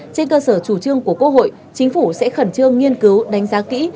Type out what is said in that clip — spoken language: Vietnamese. trên cơ sở chủ trương của quốc hội chính phủ sẽ khẩn trương nghiên cứu đánh giá kỹ